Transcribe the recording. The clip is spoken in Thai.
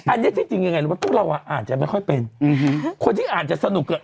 อันนี้จริงจริงยังไงว่าพวกเราอาจจะไม่ค่อยเป็นคนที่อาจจะสนุก